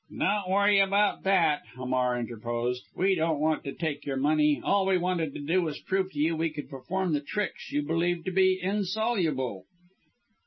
"Don't worry about that," Hamar interposed; "we don't want to take your money, all we wanted to do was to prove to you we could perform the tricks you believed to be insoluble.